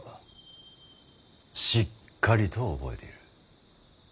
しっかりと覚えている。